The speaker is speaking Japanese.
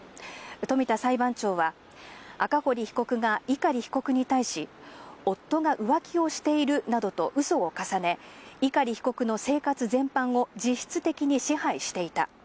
冨田裁判長は、赤堀被告が碇被告に対し、夫が浮気をしているなどとうそを重ね、碇被告の生活全般を実質的に支配していた。